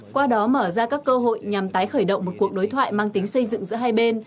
qua đó mở ra các cơ hội nhằm tái khởi động một cuộc đối thoại mang tính xây dựng giữa hai bên